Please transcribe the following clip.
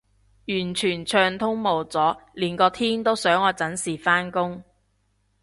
完全暢通無阻，連個天都想我準時返工